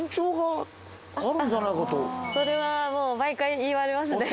それはもう毎回言われますね。